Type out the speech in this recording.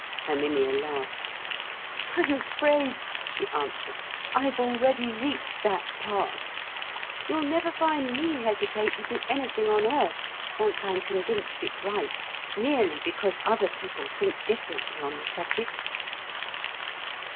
Herminia laughed. "I'm afraid," she answered, "I've already reached that pass. You'll never find me hesitate to do anything on earth, once I'm convinced it's right, merely because other people think differently on the subject."